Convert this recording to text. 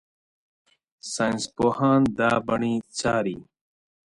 ساینسپوهان دا بڼې څاري.